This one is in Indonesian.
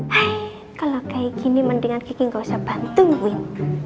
hei kalo kaya gini mendingan kiki gak usah bantuin